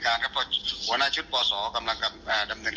การครับเพราะหัวหน้าชุดปศกำลังกำอ่าดำเรียน